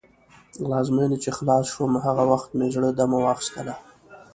له ازموینې چې خلاص شوم، هغه وخت مې زړه دمه واخیستله.